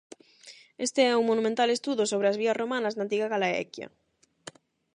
Este é un monumental estudo sobre as vías romanas na antiga Gallaecia.